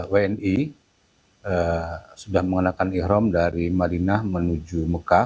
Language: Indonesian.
dua puluh empat wni sudah mengenakan ikhram dari madinah menuju mekah